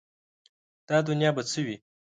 دا دنیا به څه وي ؟